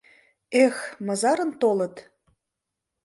Эх, мызарын толыт.